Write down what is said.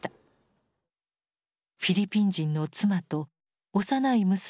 フィリピン人の妻と幼い娘